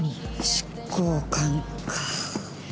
執行官か。